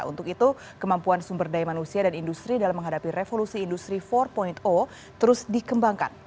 untuk itu kemampuan sumber daya manusia dan industri dalam menghadapi revolusi industri empat terus dikembangkan